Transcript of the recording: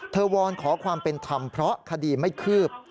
วอนขอความเป็นธรรมเพราะคดีไม่คืบ